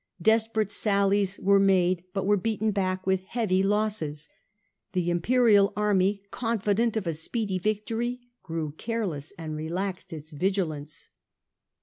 Desperate sallies were made but were beaten back with heavy losses. The Imperial army, confident of a speedy victory, grew careless and relaxed its vigilance.